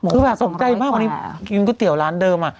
คือแบบตกใจมากวันนี้กินก๋วยเตี๋ยวร้านเดิม